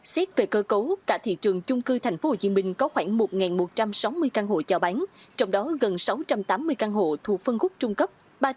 xét về cơ cấu cả thị trường chung cư tp hcm có khoảng một một trăm sáu mươi căn hộ cho bán trong đó gần sáu trăm tám mươi căn hộ thuộc phân khúc trung cấp